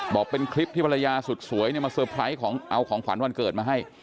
บอกเป็นคลิปที่ภรรยาสุดสวยมาเตอร์ไพรส์ของเอาของขวัญวันเกิดมาให้